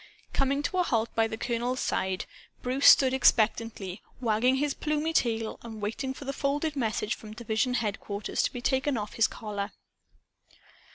Coming to a halt by the colonel's side, Bruce stood expectantly wagging his plumy tail and waiting for the folded message from division headquarters to be taken off his collar.